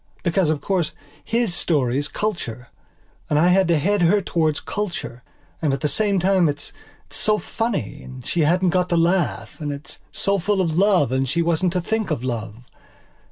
Because, of course, his story is culture and I had to head her towards culture and at the same time it's so funny and she hadn't got to laugh, and it's so full of love and she wasn't to think of love.